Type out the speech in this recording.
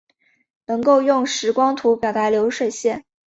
能够用时空图表达流水线